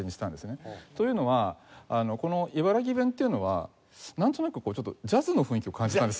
というのはこの茨城弁っていうのはなんとなくちょっとジャズの雰囲気を感じたんですよ。